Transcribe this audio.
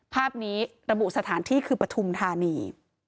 ภาพนี้ระบุสถานที่คือปฐุมธานี